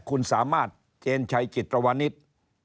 คุณสามารถเจนชัยจิตรวนิต